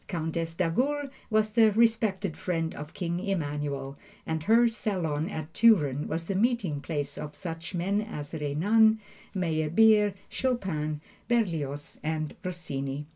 Countess d'Agoult was the respected friend of King Emmanuel, and her salon at Turin was the meeting place of such men as Renan, Meyerbeer, Chopin, Berlioz and Rossini.